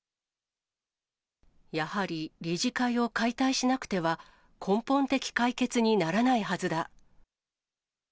やはり理事会を解体しなくては、根本的解決にならないはずだ。